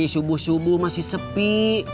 subuh subuh masih sepi